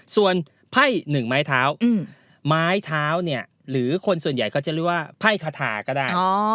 ส่วนไพ่๑ไม้เท้าไม้เท้าเนี่ยหรือคนส่วนใหญ่ก็จะเรียกว่าไพ่คาถาก็ได้